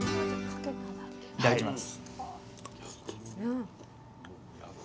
いただきます。